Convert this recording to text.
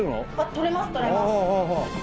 とれますとれます。